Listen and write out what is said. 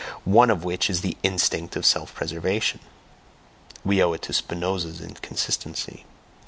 one of which is the instinct of self preservation (we owe it to Spinoza's inconsistency).